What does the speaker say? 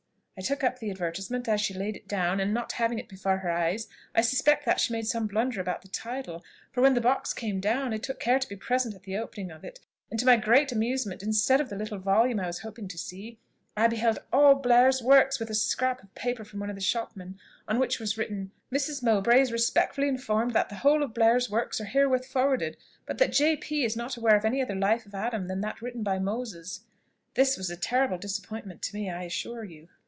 I took up the advertisement as she laid it down and, not having it before her eyes, I suspect that she made some blunder about the title; for, when the box came down, I took care to be present at the opening of it, and to my great amusement, instead of the little volume that I was hoping to see, I beheld all Blair's works, with a scrap of paper from one of the shopmen, on which was written, 'Mrs. Mowbray is respectfully informed that the whole of Blair's works are herewith forwarded, but that J. P. is not aware of any other life of Adam than that written by Moses.' This was a terrible disappointment to me, I assure you."